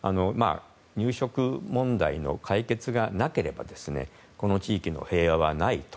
入植問題の解決がなければこの地域の平和はないと。